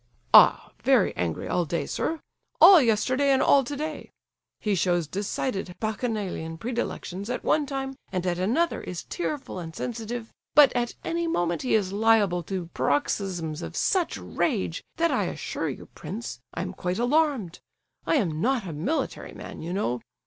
"Ah, very angry all day, sir; all yesterday and all today. He shows decided bacchanalian predilections at one time, and at another is tearful and sensitive, but at any moment he is liable to paroxysms of such rage that I assure you, prince, I am quite alarmed. I am not a military man, you know.